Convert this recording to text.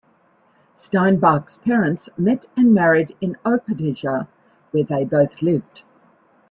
Sternbach's parents met and married in Opatija where they both lived.